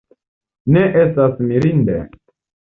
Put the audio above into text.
Ne estas mirinde.